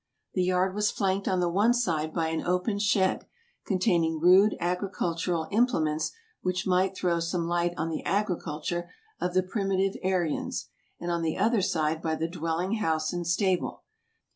The yard was flanked on the one side by an open shed, containing rude agricultural implements which might throw some light on the agriculture of the primitive Aryans, and on the other side by the dwelling house and stable.